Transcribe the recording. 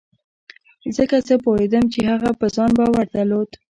ځکه زه پوهېدم چې هغه په ځان باور درلود.